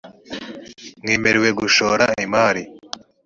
mwemerew gushora imari .